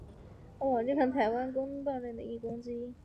而且王康陆曾经是台湾公论报的义工之一。